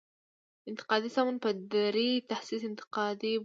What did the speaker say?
انتقادي سمون په دري تصحیح انتقادي بولي.